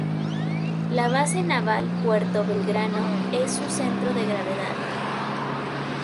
La Base Naval Puerto Belgrano es su centro de gravedad.